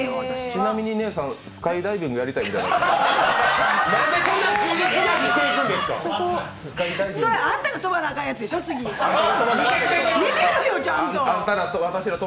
ちなみに姉さんスカイダイビングやりたいみたいなのは？